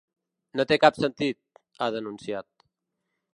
No té cap sentit, ha denunciat.